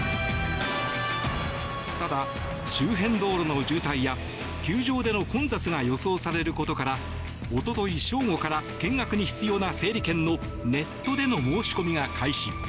ただ、周辺道路の渋滞や球場での混雑が予想されることからおととい正午から見学に必要な整理券のネットでの申し込みが開始。